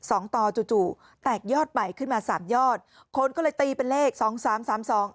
ต่อจู่จู่แตกยอดใหม่ขึ้นมาสามยอดคนก็เลยตีเป็นเลขสองสามสามสอง